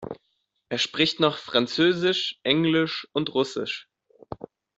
Er spricht noch französisch, englisch und russisch.